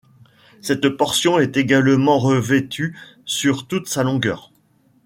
Cette portion est également revêtue sur toute sa longueur.